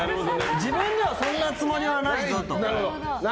自分ではそんなつもりはないぞと。